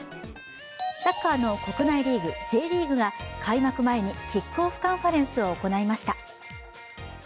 サッカーの国内リーグ、Ｊリーグが開幕前にキックオフカンファレンスを行いました。